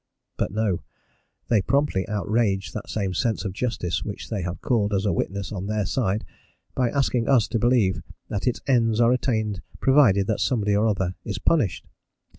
But, no; they promptly outrage that same sense of justice which they have called as a witness on their side, by asking us to believe that its ends are attained provided that somebody or other is punished.